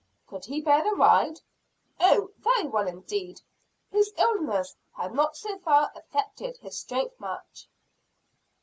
"Could he bear the ride?" "Oh, very well indeed his illness had not so far affected his strength much."